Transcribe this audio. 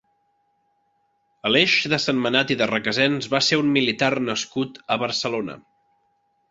Aleix de Sentmenat i de Requesens va ser un militar nascut a Barcelona.